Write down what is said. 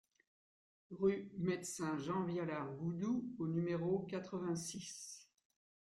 Rue Medecin Jean Vialar Goudou au numéro quatre-vingt-six